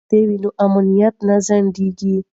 که پوست وي نو امانت نه ځنډیږي.